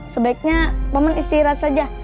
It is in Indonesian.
sebaiknya paman istirahat saja